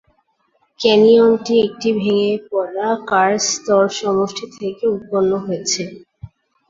ক্যানিয়নটি একটি ভেঙ্গে পড়া কার্স্ট স্তরসমষ্টি থেকে উৎপন্ন হয়েছে।